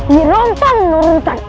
nyirom pun menurunkan